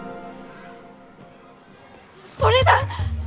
それだ！